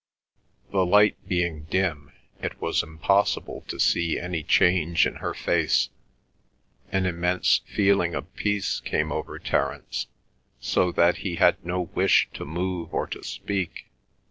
The light being dim, it was impossible to see any change in her face. An immense feeling of peace came over Terence, so that he had no wish to move or to speak.